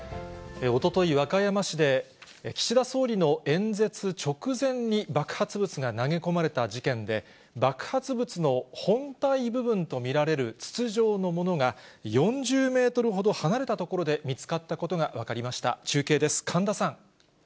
おととい、和歌山市で岸田総理の演説直前に爆発物が投げ込まれた事件で、爆発物の本体部分と見られる筒状のものが、４０メートルほど離れた所で見つかったことが分かりました。